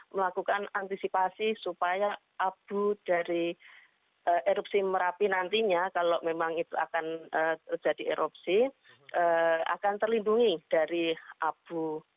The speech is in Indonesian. melakukan antisipasi supaya abu dari erupsi merapi nantinya kalau memang itu akan terjadi erupsi akan terlindungi dari abu